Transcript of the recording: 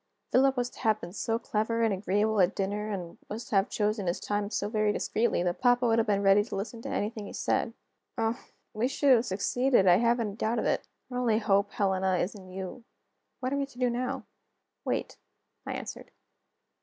"Philip was to have been so clever and agreeable at dinner, and was to have chosen his time so very discreetly, that papa would have been ready to listen to anything he said. Oh, we should have succeeded; I haven't a doubt of it! Our only hope, Helena, is in you. What are we to do now?" "Wait," I answered.